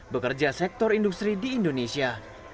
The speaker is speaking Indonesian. bekerja sektor industri di indonesia